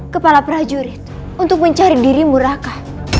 kepala prajurit untuk mencari dirimu raka